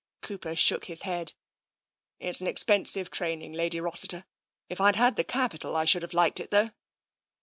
Cooper shook his head. " It's an expensive training. Lady Rossiter. If I'd had the capital, I should have liked it, though."